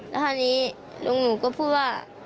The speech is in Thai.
แล้วคราวนี้ลุงหนูก็พูดว่า